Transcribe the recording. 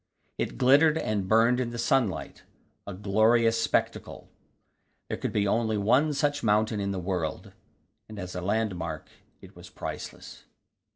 It glittered and burned in the sunlight a glorious spectacle. There could only be one such mountain in the world, and as a landmark it was priceless.